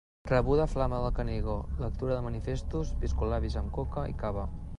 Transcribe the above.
Rebuda Flama del Canigó, lectura de manifestos, piscolabis amb coca i cava.